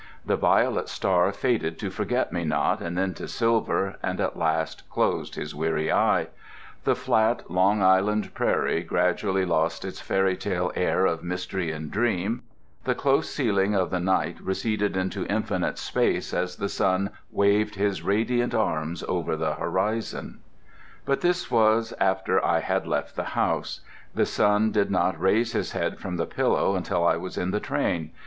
The violet star faded to forget me not and then to silver and at last closed his weary eye; the flat Long Island prairie gradually lost its fairy tale air of mystery and dream; the close ceiling of the night receded into infinite space as the sun waved his radiant arms over the horizon. But this was after I had left the house. The sun did not raise his head from the pillow until I was in the train.